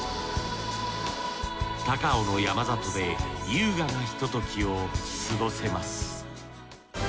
高尾の山里で優雅なひと時を過ごせます